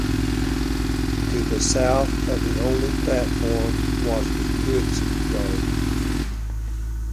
To the south of the only platform was the goods yard.